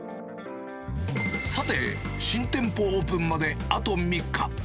さて、新店舗オープンまであと３日。